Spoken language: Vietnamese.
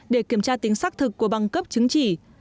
để kiểm tra tính xác thực của băng cấp chứng chỉ